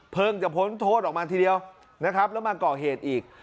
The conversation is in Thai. เพิงจะพ้นโทษออกมาทีเดียวแล้วมาเกาะเหตุอีก